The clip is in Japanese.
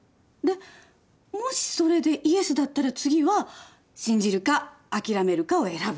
でもしそれでイエスだったら次は信じるか諦めるかを選ぶ。